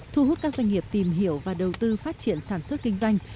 thu hút các doanh nghiệp tìm hiểu và đầu tư phát triển sản xuất kinh doanh